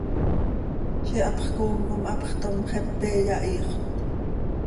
Ziix hapx coom com hapx toom, xepe iyahiixöt.